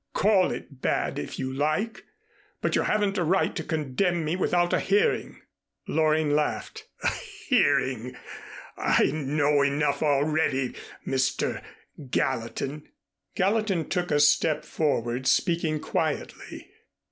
"Call it bad, if you like, but you haven't a right to condemn me without a hearing." Loring laughed. "A hearing? I know enough already, Mr. Gallatin." Gallatin took a step forward speaking quietly.